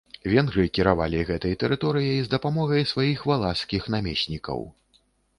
Венгры кіравалі гэтай тэрыторыяй з дапамогай сваіх валашскіх намеснікаў.